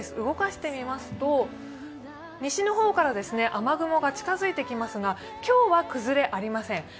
動かしてみますと、西の方から雨雲が近づいてきますが、今日は崩れ、ありません。